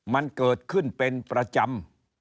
มันเกิดขึ้นเป็นประจำ